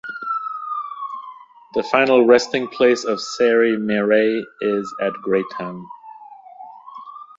The final resting place of Sarie Marais is at Greytown.